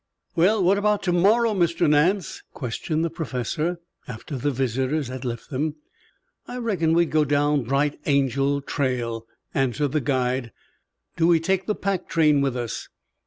"Well, what about to morrow, Mr. Nance?" questioned the Professor, after the visitors had left them. "I reckoned we'd go down Bright Angel Trail," answered the guide. "Do we take the pack train with us?"